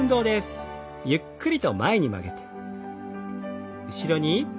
ゆっくりと前に曲げて。